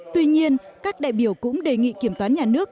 tuy nhiên các đại biểu cũng đề nghị kiểm toán nhà nước